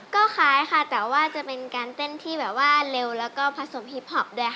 ก็คล้ายค่ะแต่ว่าจะเป็นการเต้นที่แบบว่าเร็วแล้วก็ผสมฮิปพอปด้วยค่ะ